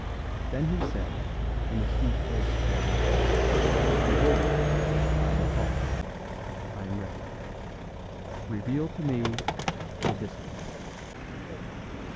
Then he said, in his deep bass tones: "Behold, I am calm, I am ready; reveal to me the distance."